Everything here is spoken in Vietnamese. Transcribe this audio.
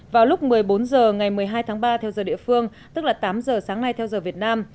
vào lúc một mươi bốn h ngày một mươi hai tháng ba theo giờ địa phương tức là tám giờ sáng nay theo giờ việt nam